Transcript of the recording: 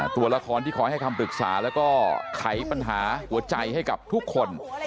ตัวละครที่คอยให้คำปรึกษาแล้วก็ไขปัญหาหัวใจให้กับทุกคน